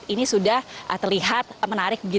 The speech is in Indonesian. ini sudah terlihat menarik